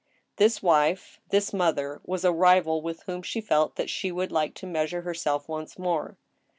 This wife, this mother, was a rival with whom she felt that she would like to measure herself once more.